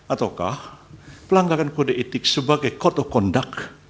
ataukah pelanggaran kode etik sebagai kode kondak